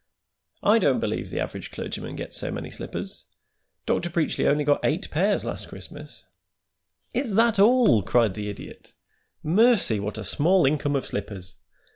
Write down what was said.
"I don't believe the average clergyman gets so many slippers. Dr. Preachly only got eight pairs last Christmas." "Is that all?" cried the Idiot. "Mercy, what a small income of slippers!